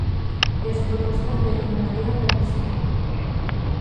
E as propostas de En Marea ¿cales son?